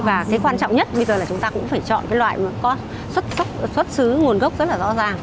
và thế quan trọng nhất bây giờ là chúng ta cũng phải chọn cái loại có xuất xứ nguồn gốc rất là rõ ràng